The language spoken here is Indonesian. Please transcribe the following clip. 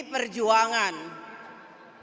pdi perjuangan telah berhasil mengantarkan kader terbaiknya